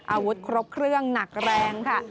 อาวุธครบเครื่องหนักแรงค่ะ